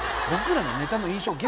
僕らのネタの印象